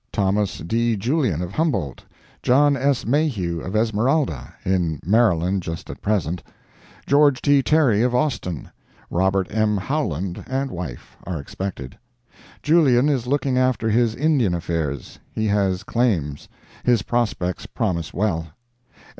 Thomas D. Julien of Humboldt, John S. Mayhugh of Esmeralda (in Maryland just at present), George T. Terry of Austin, Robert M. Howland and wife are expected. Julien is looking after his Indian affairs. He has claims. His prospects promise well.